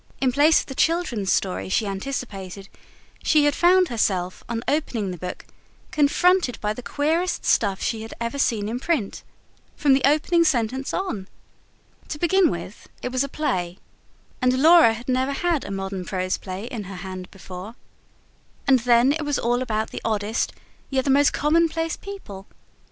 In place of the children's story she anticipated, she had found herself, on opening the book, confronted by the queerest stuff she had ever seen in print. From the opening sentence on. To begin with, it was a play and Laura had never had a modern prose play in her hand before and then it was all about the oddest, yet the most commonplace people.